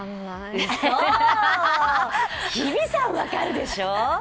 日比さん分かるでしょ？